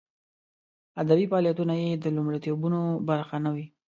ادبي فعالیتونه یې د لومړیتوبونو برخه نه وي.